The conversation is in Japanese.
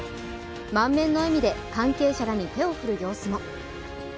満面の笑みで関係者らに手を振る様子も。